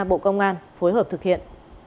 bộ công an phối hợp thực hiện